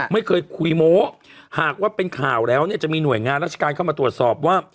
ไม่เคยคุยโม้หากว่าเป็นข่าวแล้วเนี่ยจะมีหน่วยงานราชการเข้ามาตรวจสอบว่า